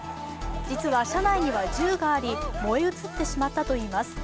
実は車内には銃があり、燃え移ってしまったといいます。